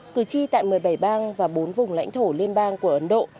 cử tri tại một mươi bảy bang và bốn vùng lãnh thổ liên bang của ấn độ